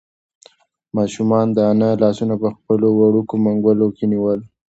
ماشوم د انا لاسونه په خپلو وړوکو منگولو کې ونیول.